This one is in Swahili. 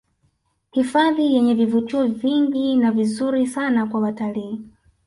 Hifadhi yenye vivutio vingi na vizuri sana kwa watalii